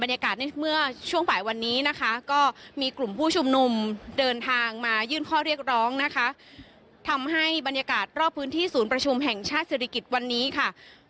ยื่นข้อเรียกร้องนะคะทำให้บรรยากาศรอบพื้นที่ศูนย์ประชุมแห่งชาติศิริกิจวันนี้ค่ะ